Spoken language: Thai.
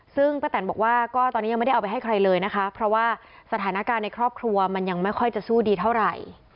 ซึ่งป้าแตนบอกว่าก็ตอนนี้ยังไม่ได้เอาไปให้ใครเลยนะคะเพราะว่าสถานการณ์ในครอบครัวมันยังไม่ค่อยจะสู้ดีเท่าไหร่